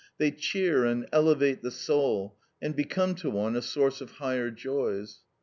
They cheer and elevate the soul, and become to one a source of higher joys.